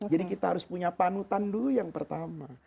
jadi kita harus punya panutan dulu yang pertama